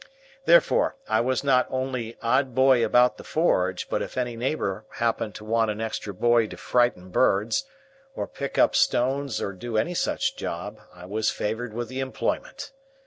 Therefore, I was not only odd boy about the forge, but if any neighbour happened to want an extra boy to frighten birds, or pick up stones, or do any such job, I was favoured with the employment.